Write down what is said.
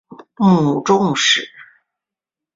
母仲氏。